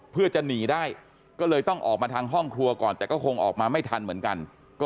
เพื่อจะหนีได้ก็เลยต้องออกมาทางห้องครัวก่อนแต่ก็คงออกมาไม่ทันเหมือนกัน